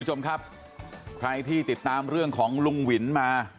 คุณผู้ชมครับใครที่ติดตามเรื่องของลุงวินมา